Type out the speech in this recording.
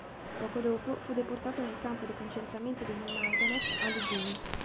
Poco dopo, fu deportato nel campo di concentramento di Majdanek a Lublino.